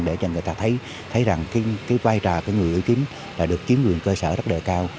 để cho người ta thấy rằng cái vai trò của người uy tín là được chính quyền cơ sở rất đề cao